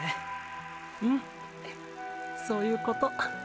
うんそういうこと。